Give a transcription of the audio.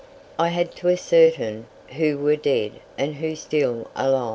I had to ascertain who were dead and who still alive.